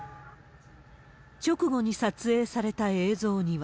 直後に撮影された映像には。